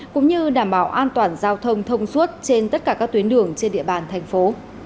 cũng như đảm bảo an toàn giao thông thông suốt trên tất cả các tuyến đường trên địa bàn thành phố